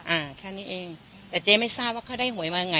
อ่าแค่นี้เองแต่เจ๊ไม่ทราบว่าเขาได้หวยมาไง